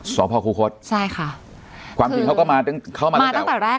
สพครูคศใช่ค่ะความถึงเขาก็มาเข้ามาตั้งแต่แรก